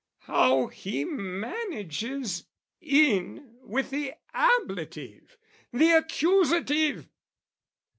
How he manages In with the ablative, the accusative!